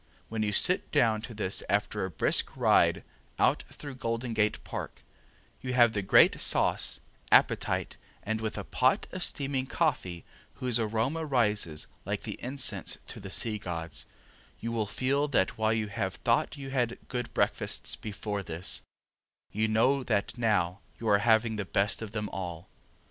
When you sit down to this after a brisk ride out through Golden Gate Park, you have the great sauce, appetite, and with a pot of steaming coffee whose aroma rises like the incense to the Sea Gods, you will feel that while you have thought you had good breakfasts before this, you know that now you are having the best of them all.